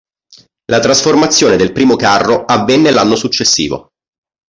La trasformazione del primo carro avvenne l'anno successivo.